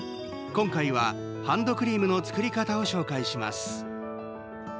今回はハンドクリームの作り方を紹介します。